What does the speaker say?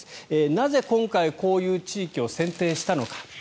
なぜ、今回こういう地域を選定したのか。